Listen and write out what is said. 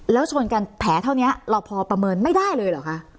แล้วชนกันแผลเท่านี้เราพอประเมินไม่ได้เลยเหรอคะ